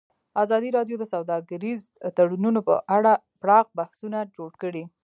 ازادي راډیو د سوداګریز تړونونه په اړه پراخ بحثونه جوړ کړي.